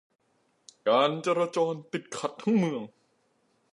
การจราจรติดขัดทั้งเมือง